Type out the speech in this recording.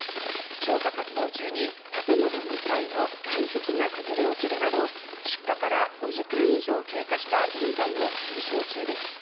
消火活動中に建物２階の外壁が崩れ落ちるなど出火から５時間以上経過した現在も延焼中です。